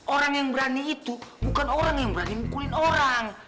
orang yang berani itu bukan orang yang berani mukulin orang